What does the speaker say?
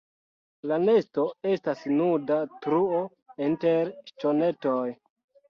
La nesto estas nuda truo inter ŝtonetoj.